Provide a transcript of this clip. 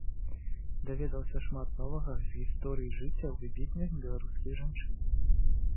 Даведалася шмат новага з гісторыі жыццяў выбітных беларускіх жанчын.